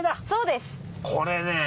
そうです！コレね。